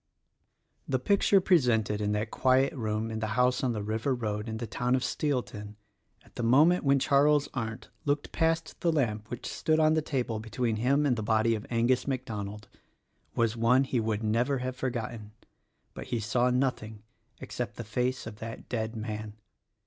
The picture presented in that quiet roam in the house on the river road in the town of Steelton, at the moment when Charles Arndt looked past the lamp which stood on the table between him and the body of Angus Mac Donald, was one which he would never have forgotten; but he saw nothing except the face of that dead man.